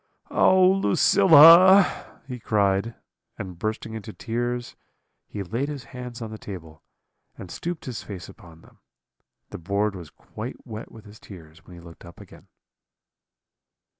"'Oh, Lucilla!' he cried; and bursting into tears, he laid his hands on the table, and stooped his face upon them: the board was quite wet with his tears when he looked up again.